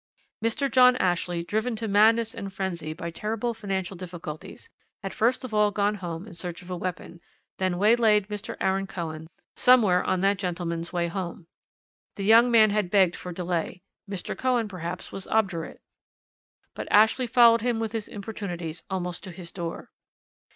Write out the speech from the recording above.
"Mr. John Ashley, driven to madness and frenzy by terrible financial difficulties, had first of all gone home in search of a weapon, then waylaid Mr. Aaron Cohen somewhere on that gentleman's way home. The young man had begged for delay. Mr. Cohen perhaps was obdurate; but Ashley followed him with his importunities almost to his door.